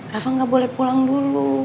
raffa nggak boleh pulang dulu